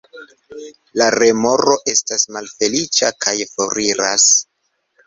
La remoro estas malfeliĉa kaj foriras.